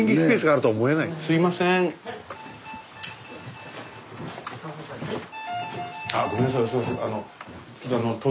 あごめんなさい